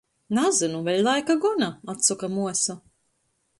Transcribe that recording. "Nazynu, vēļ laika gona!" atsoka muosa.